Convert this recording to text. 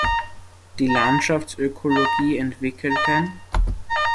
Die Landschaftsökologie entwickelten